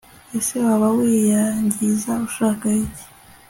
ese waba wiyangiza ushaka iki